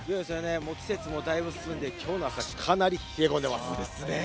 季節もだいぶ進んで、きょうはかなり冷え込んでます。